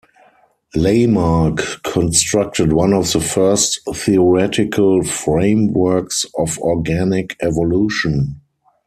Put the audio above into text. Lamarck constructed one of the first theoretical frameworks of organic evolution.